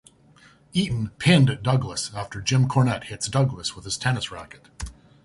Eaton pinned Douglas after Jim Cornette hits Douglas with his tennis racket.